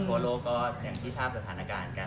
เพราะโลกก็อย่างที่ชาบสถานการณ์กัน